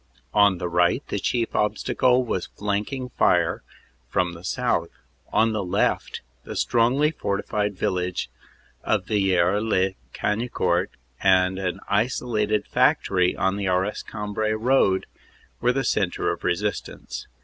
On the right the chief obstacle was the flanking fire from the south ; on the left the strongly fortified village of Villers lez Cagnicourt and an isolated factory on the Arras Cambrai road were the centre of resistance.